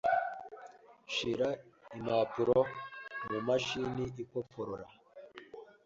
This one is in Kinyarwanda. Shira impapuro mumashini ikoporora.